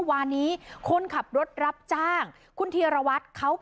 โดนสั่งแอป